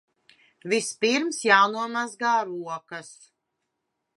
Vispirms j?nomazg? rokas!